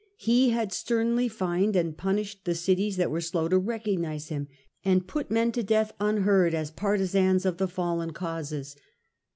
He had sternly fined and punished the cities that were slow to recognise him, and put men to death unheard as partisans of the fallen causes.